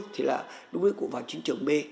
thì là lúc đấy cụ vào chiến trường b